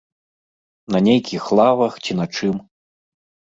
На нейкіх лавах, ці на чым.